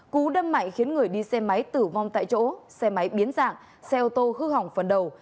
cú đâm mạnh khiến người đi xe máy tử vong tại chỗ xe máy biến dạng xe ô tô hư hỏng phần đầu